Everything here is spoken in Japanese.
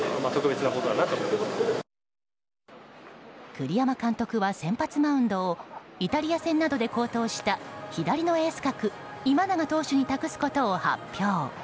栗山監督は、先発マウンドをイタリア戦などで好投した左のエース格今永投手に託すことを発表。